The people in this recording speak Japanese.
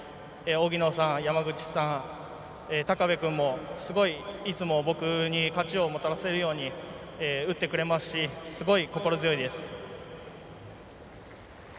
荻野さん、山口さん、高部君もすごい、いつも僕に勝ちをもたらせるように打ってくれますしすごい心強いです。